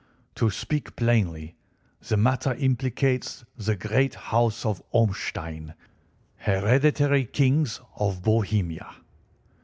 To speak plainly, the matter implicates the great House of Ormstein, hereditary kings of Bohemia."